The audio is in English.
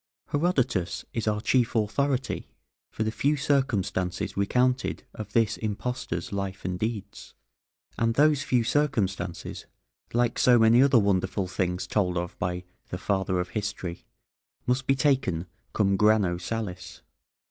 Herodotus is our chief authority for the few circumstances recounted of this impostor's life and deeds, and those few circumstances, like so many other wonderful things told of by the "Father of History," must be taken cum granô salis.